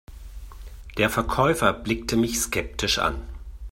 Der Verkäufer blickte mich skeptisch an.